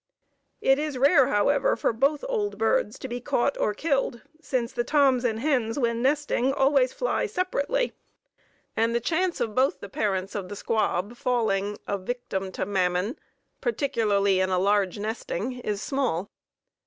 It is rare, however, for both old birds to be caught or killed, since the toms and hens when nesting always fly separately, and the chance of both the parents of the squab falling a "victim to Mammon," particularly in a large nesting, is small.